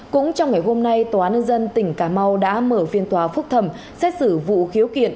cũng trong ngày hôm nay tòa nâng dân tỉnh cà mau đã mở viên tòa phúc thẩm xét xử vụ khiếu kiện